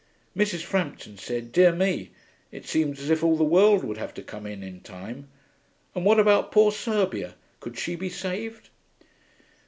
Mrs. Frampton said dear me, it seemed as if all the world would have to come in in time, and what about poor Serbia, could she be saved?